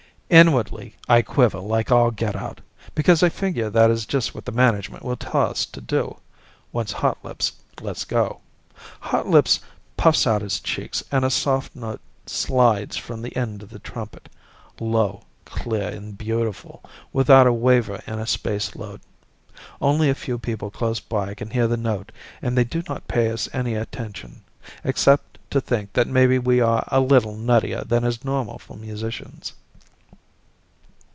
Inwardly, I quiver like all get out, because I figure that is just what the management will tell us to do, once Hotlips lets go. Hotlips puffs out his cheeks and a soft note slides from the end of the trumpet low, clear, and beautiful, without a waver in a spaceload. Only a few people close by can hear the note and they do not pay us any attention, except to think that maybe we are a little nuttier than is normal for musicians.